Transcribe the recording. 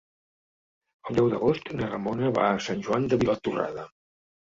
El deu d'agost na Ramona va a Sant Joan de Vilatorrada.